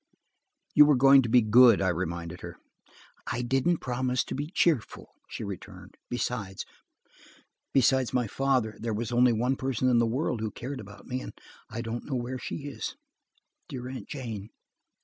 "You were going to be good," I reminded her. "I didn't promise to be cheerful," she returned. "Besides my father, there was only one person in the world who cared about me, and I don't know where she is. Dear Aunt Jane!"